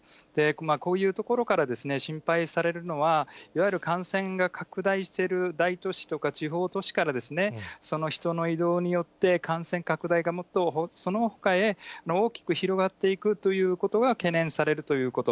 こういうところから心配されるのは、いわゆる感染が拡大している大都市とか地方都市から、人の移動によって、感染拡大がもっとそのほかへ大きく広がっていくということが懸念されるということ。